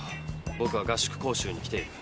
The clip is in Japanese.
僕は合宿講習に来ている。